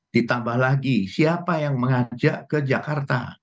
ditambah lagi siapa yang mengajak ke jakarta